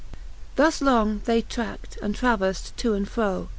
Thus long they trac'd and traveift to and fro.